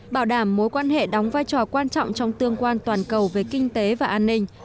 bảo đảm mối quan hệ đóng vai trò quan trọng trong tương quan toàn cầu về kinh tế và an ninh